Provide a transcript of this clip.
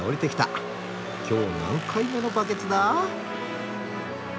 今日何回目のバケツだ？